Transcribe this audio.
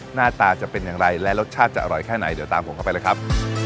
หน้าตาจะเป็นอย่างไรและรสชาติจะอร่อยแค่ไหนเดี๋ยวตามผมเข้าไปเลยครับ